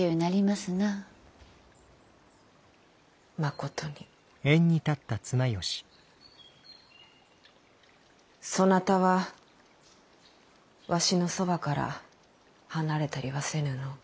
そなたはわしのそばから離れたりはせぬの？